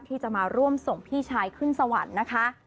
ที่จะมาร่วมส่งพี่ชายขึ้นสวรรค์นะคะ